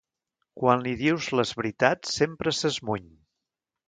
Quan li dius les veritats, sempre s'esmuny.